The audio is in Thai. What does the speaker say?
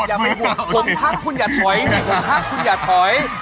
อย่าไปบวกผมทักคุณอย่าถอยทักคุณอย่าถอย